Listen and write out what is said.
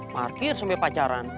markir sampai pacaran